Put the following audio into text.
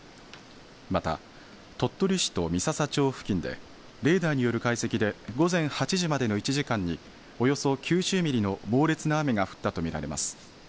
また鳥取市と三朝町付近でレーダーによる解析で午前８時までの１時間におよそ９０ミリの猛烈な雨が降ったと見られます。